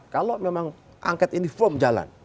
kalau memang angket ini firm jalan